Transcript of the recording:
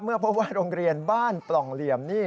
พบว่าโรงเรียนบ้านปล่องเหลี่ยมนี่